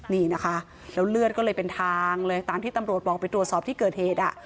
นี่นะคะแล้วเลือดก็เลยเป็นทางเลยตามที่ตำรวจบอกไปตรวจสอบที่เกิดเหตุอ่ะ